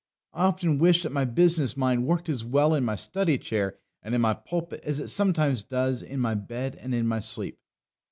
I often wish that my business mind worked as well in my study chair and in my pulpit as it sometimes does in my bed and in my sleep.